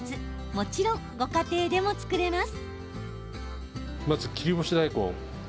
もちろん、ご家庭でも作れます。